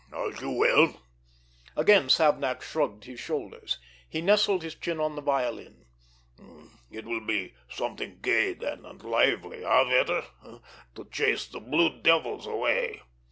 "As you will!" Again Savnak shrugged his shoulders. He nestled his chin on the violin. "It will be something gay, then, and lively—eh, Vetter?—to chase the blue devils away."